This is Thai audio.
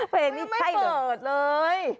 เพลงนี้ใช่เดิดเลย